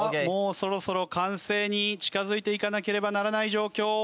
もうそろそろ完成に近づいていかなければならない状況。